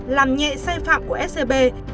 làm nhẹ sai phạm của scb